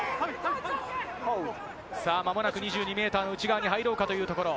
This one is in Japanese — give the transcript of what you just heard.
間もなく２２ｍの内側に入ろうかというところ。